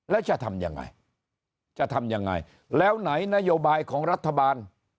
แล้วจะทำยังไงแล้วไหนนโยบายของรัฐบาล